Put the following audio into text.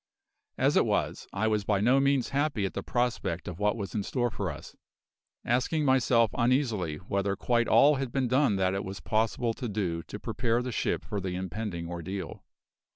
As it was, I was by no means happy at the prospect of what was in store for us, asking myself uneasily whether quite all had been done that it was possible to do to prepare the ship for the impending ordeal.